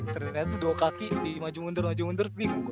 ternyata dua kaki di maju mundur maju mundur bingung gua